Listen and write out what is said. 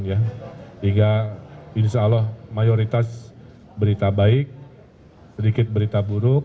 sehingga insya allah mayoritas berita baik sedikit berita buruk